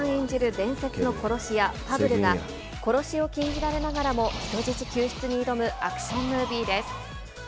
伝説の殺し屋、ファブルが、殺しを禁じられながらも、人質救出に挑むアクションムービーです。